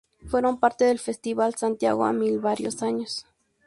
Fueron parte del Festival Santiago a Mil varios años.